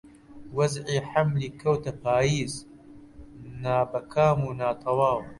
وەزعی حەملی کەوتە پاییز نابەکام و ناتەواو